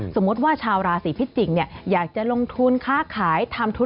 สมมุติว่าชาวราศีพิจิกษ์อยากจะลงทุนค้าขายทำธุ